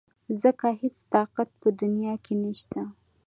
ځکه هېڅ طاقت په دنيا کې نشته .